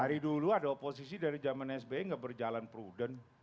dari dulu ada oposisi dari zaman sby gak berjalan prudent